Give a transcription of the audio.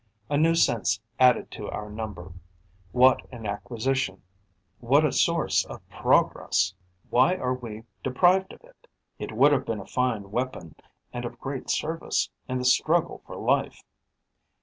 A new sense added to our number: what an acquisition, what a source of progress! Why are we deprived of it? It would have been a fine weapon and of great service in the struggle for life.